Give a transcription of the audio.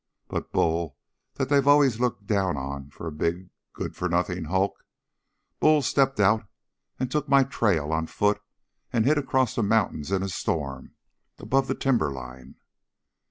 But Bull that they'd always looked down on for a big good for nothing hulk Bull stepped out and took my trail on foot and hit across the mountains in a storm, above the timberline!